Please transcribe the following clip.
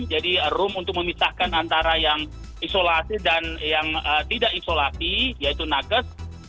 jadi room untuk memisahkan antara yang isolasi dan yang tidak isolasi yaitu nages